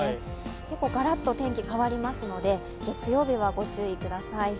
結構ガラッと天気が変わりますので、月曜日はご注意ください。